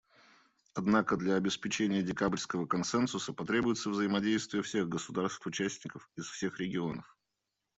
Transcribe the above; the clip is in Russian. Однако для обеспечения декабрьского консенсуса потребуется взаимодействие всех государств-участников из всех регионов.